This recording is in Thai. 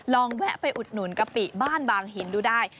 แวะไปอุดหนุนกะปิบ้านบางหินดูได้